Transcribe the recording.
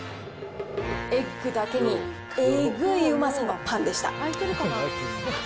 エッグだけにエッグイうまさのパンでした。